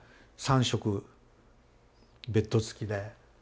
３食ベッド付きで。